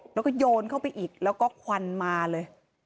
แล้วก็โยนเข้าไปอีกแล้วก็ควันมาเลย